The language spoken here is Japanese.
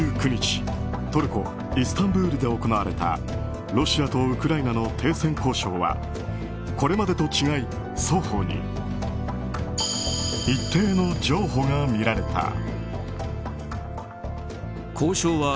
２９日トルコ・イスタンブールで行われたロシアとウクライナの停戦交渉はこれまでと違い、双方に一定の譲歩が見られた。